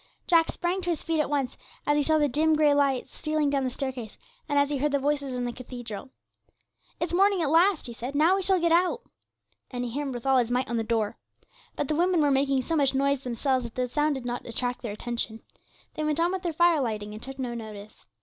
Jack sprang to his feet at once, as he saw the dim grey light stealing down the staircase, and as he heard the voices in the cathedral. 'It's morning at last,' he said; 'now we shall get out;' and he hammered with all his might on the door. But the women were making so much noise themselves that the sound did not attract their attention; they went on with their fire lighting and took no notice.